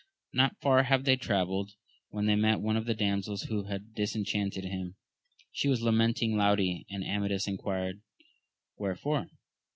Not far had they travelled when they met one of the damsels who had disenchanted him ; she was lamenting loudly, and Amadis enquired wherefore.